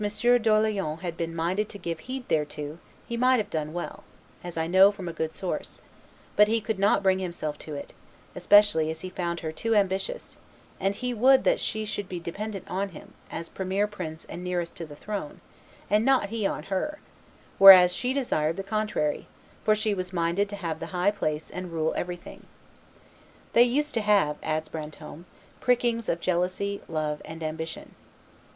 d'Orleans had been minded to give heed thereto, he might have done well, as I know from a good source; but he could not bring himself to it; especially as he found her too ambitious, and he would that she should be dependent on him, as premier prince and nearest to the throne, and not he on her; whereas she desired the contrary, for she was minded to have the high place and rule everything. ... They used to have," adds Brantome, "prickings of jealousy, love, and ambition."